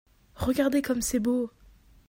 Regardez comme c'est beau !